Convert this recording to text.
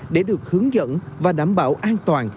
để được hướng dẫn và đảm bảo an toàn